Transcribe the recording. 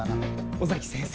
尾崎先生